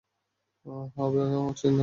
হ্যাঁ, অছিয়তনামা।